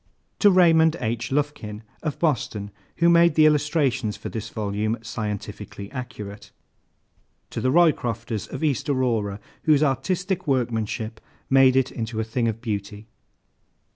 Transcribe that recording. To RAYMOND H. LUFKIN, of Boston, who made the illustrations for this volume scientifically accurate. To THE ROYCROFTERS, of East Aurora, whose artistic workmanship made it into a thing of beauty.